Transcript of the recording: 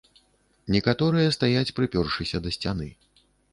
Некаторыя стаяць, прыпёршыся да сцяны.